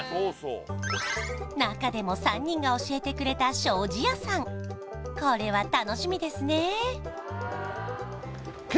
中でも３人が教えてくれた庄司屋さんこれは楽しみですね